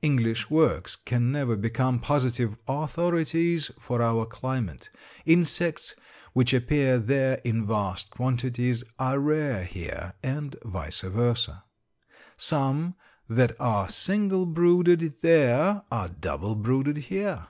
English works can never become positive authorities for our climate. Insects which appear there in vast quantities are rare here, and vice versa. Some that are single brooded there are doubled brooded here.